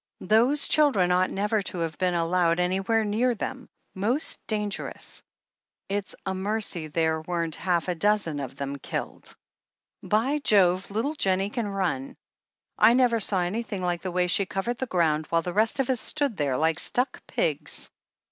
"Those children ought never to have been allowed anywhere near them — ^most dangerous. It's a mercy there weren't half a dozen of them killed. By Jove, little Jennie can run ! I never saw an)rthing like the way she covered the groimd, while the rest of us stood there like stuck pigs."